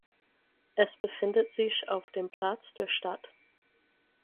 Es befindet sich auf dem Platz der Stadt.